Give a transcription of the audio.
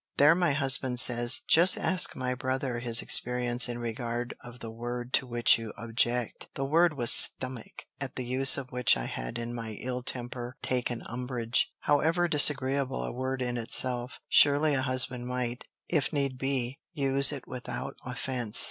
There my husband says, "Just ask my brother his experience in regard of the word to which you object." The word was stomach, at the use of which I had in my ill temper taken umbrage: however disagreeable a word in itself, surely a husband might, if need be, use it without offence.